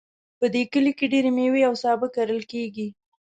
په دې کلي کې ډیری میوې او سابه کرل کیږي